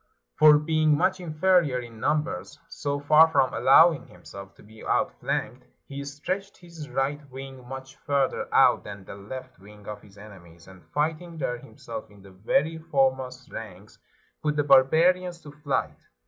For being much inferior in num bers, so far from allowing himself to be outflanked, he stretched his right wing much further out than the left wing of his enemies, and fighting there himself in the very foremost ranks, put the barbarians to flight.